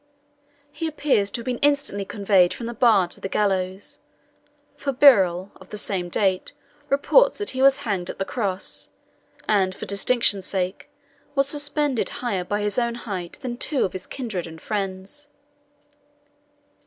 He appears to have been instantly conveyed from the bar to the gallows; for Birrell, of the same date, reports that he was hanged at the Cross, and, for distinction sake, was suspended higher by his own height than two of his kindred and friends.